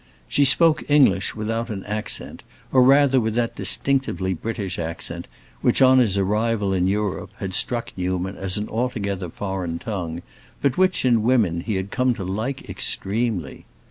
She spoke English without an accent, or rather with that distinctively British accent which, on his arrival in Europe, had struck Newman as an altogether foreign tongue, but which, in women, he had come to like extremely.